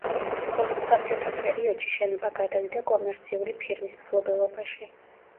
პოსტსაბჭოთა პერიოდში შენობა გადავიდა კომერციული ფირმის მფლობელობაში.